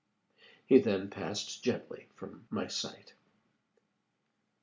He then passed gently from my sight.